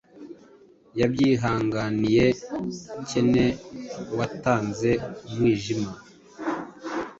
Yabyihanganiye cyaneuwatanze umwijima